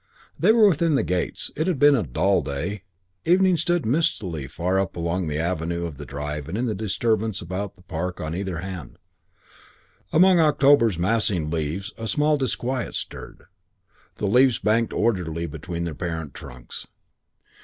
IV They were within the gates. It had been a dull day. Evening stood mistily far up the long avenue of the drive and in the distances about the park on either hand. Among October's massing leaves, a small disquiet stirred. The leaves banked orderly between their parent trunks.